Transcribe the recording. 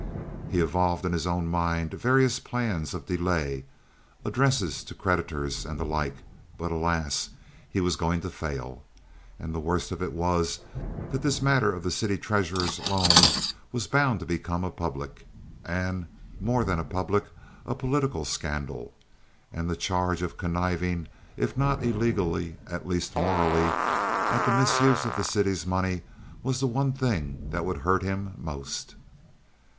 He evolved in his own mind various plans of delay, addresses to creditors and the like, but alas! he was going to fail. And the worst of it was that this matter of the city treasurer's loans was bound to become a public, and more than a public, a political, scandal. And the charge of conniving, if not illegally, at least morally, at the misuse of the city's money was the one thing that would hurt him most.